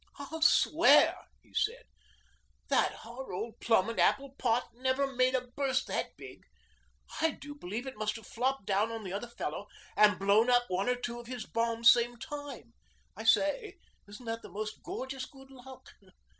'I'll swear,' he said, 'that our old Plum and Apple pot never made a burst that big. I do believe it must have flopped down on the other fellow and blown up one or two of his bombs same time. I say, isn't that the most gorgeous good luck?